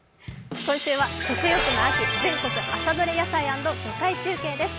今週は食欲の秋、全国朝どれ野菜＆魚介中継です。